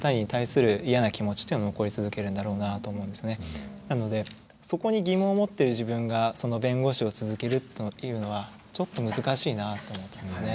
結局なのでそこに疑問を持ってる自分が弁護士を続けるというのはちょっと難しいなと思ったんですね。